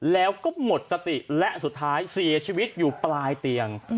แล้วก็หมดสติและสุดท้ายเสียชีวิตอยู่ปลายเตียง